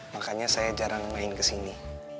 makanya saya jarang main kesini